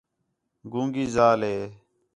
گونگی ذال ہے